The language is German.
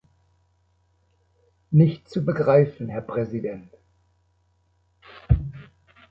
Nicht zu begreifen, Herr Präsident.